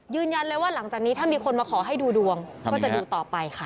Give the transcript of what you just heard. ยืนยันเลยว่าหลังจากนี้ถ้ามีคนมาขอให้ดูดวงก็จะดูต่อไปค่ะ